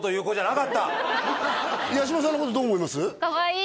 八嶋さんのことどう思います？